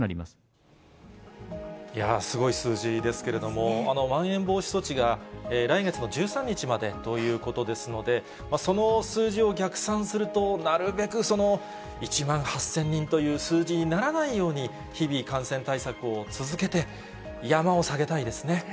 すごい数字ですけれども、まん延防止措置が来月の１３日までということですので、その数字を逆算すると、なるべく１万８０００人という数字にならないように日々、感染対策を続けて、山を下げたいですね。